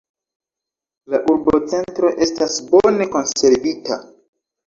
La urbocentro estas bone konservita.